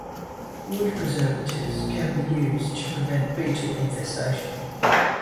Wood preservatives can be used to prevent beetle infestation.